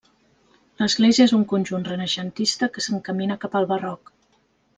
L'església és un conjunt renaixentista que s'encamina cap al barroc.